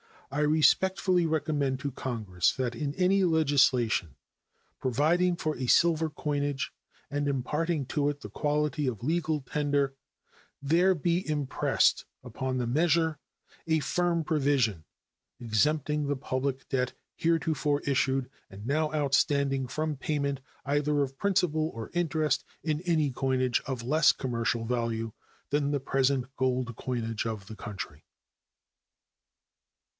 I respectfully recommend to Congress that in any legislation providing for a silver coinage and imparting to it the quality of legal tender there be impressed upon the measure a firm provision exempting the public debt heretofore issued and now outstanding from payment, either of principal or interest, in any coinage of less commercial value than the present gold coinage of the country.